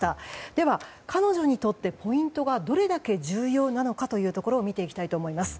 では、彼女にとってポイントがどれだけ重要なのかを見ていきたいと思います。